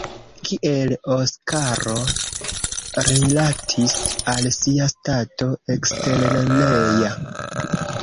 Kiel Oskaro rilatis al sia stato eksterlerneja?